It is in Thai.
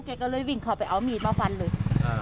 แกก็เลยวิ่งเข้าไปเอามีดมาฟันเลย